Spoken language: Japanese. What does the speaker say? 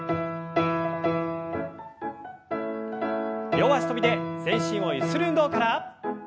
両脚跳びで全身をゆする運動から。